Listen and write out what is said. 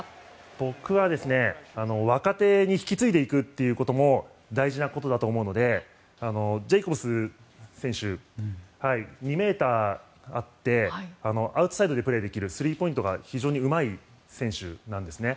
僕は若手に引き継いでいくということも大事なことだと思うのでジェイコブス選手、２ｍあってアウトサイドでプレーできるスリーポイントが非常にうまい選手なんですね。